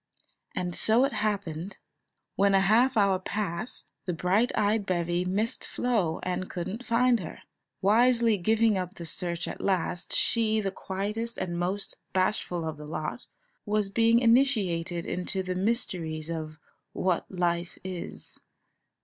And so it happened, when a half hour passed, and the bright eyed bevy missed Flo and couldn't find her, wisely giving up the search at last, she, the quietest and most bashful of the lot, was being initiated into the mysteries of "what life is."